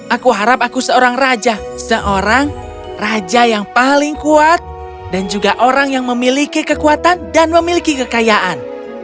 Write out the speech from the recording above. aku harap aku seorang raja seorang raja yang paling kuat dan juga orang yang memiliki kekuatan dan memiliki kekayaan